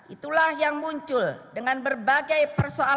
itulah yang muncul dengan berbagai persoalan